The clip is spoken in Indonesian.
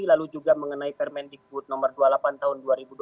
lalu juga mengenai permendikbud nomor dua puluh delapan tahun dua ribu dua puluh